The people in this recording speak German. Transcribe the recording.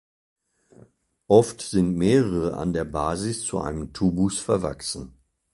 Oft sind mehrere an der Basis zu einem Tubus verwachsen.